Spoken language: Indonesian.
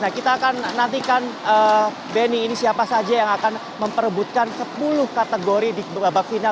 kita akan nantikan benny ini siapa saja yang akan memperebutkan sepuluh kategori di babak final